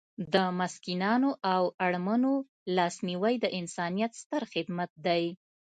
د مسکینانو او اړمنو لاسنیوی د انسانیت ستر خدمت دی.